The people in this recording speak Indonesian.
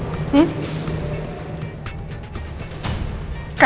ini maksudnya apa sih kak